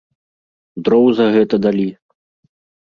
Дроў за гэта далі.